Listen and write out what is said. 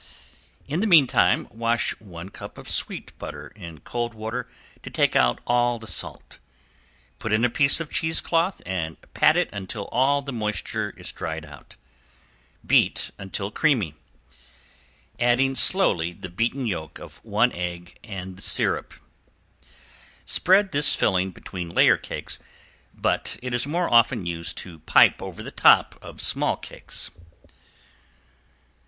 In the meantime wash one cup of sweet butter in cold water to take out all the salt. Put in a piece of cheesecloth and pat it until all the moisture is dried out. Beat until creamy, adding slowly the beaten yolk of one egg and the syrup. Spread this filling between layer cakes, but it is more often used to pipe over the top of small cakes.